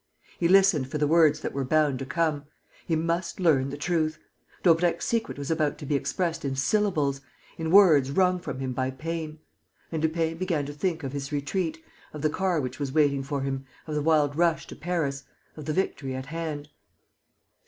He listened for the words that were bound to come. He must learn the truth. Daubrecq's secret was about to be expressed in syllables, in words wrung from him by pain. And Lupin began to think of his retreat, of the car which was waiting for him, of the wild rush to Paris, of the victory at hand.